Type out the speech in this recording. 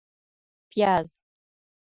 🧅 پیاز